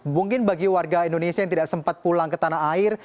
mungkin bagi warga indonesia yang tidak sempat pulang ke tanah air